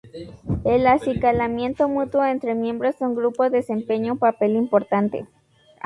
El acicalamiento mutuo entre miembros de un grupo desempeña un papel importante.